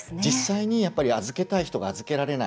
実際に預けたい人が預けられない